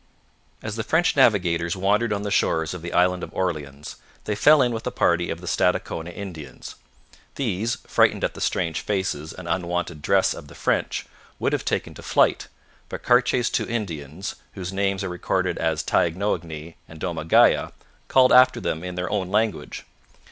As the French navigators wandered on the shores of the Island of Orleans, they fell in with a party of the Stadacona Indians. These, frightened at the strange faces and unwonted dress of the French, would have taken to flight, but Cartier's two Indians, whose names are recorded as Taignoagny and Domagaya, called after them in their own language.